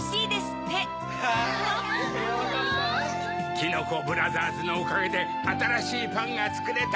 きのこブラザーズのおかげであたらしいパンがつくれたよ。